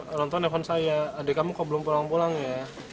orang tua nelfon saya adik kamu kok belum pulang pulang ya